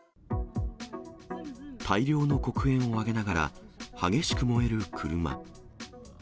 大量の黒煙を上げながら、激しく燃える車。